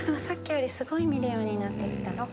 さっきよりすごい見るようになって来た。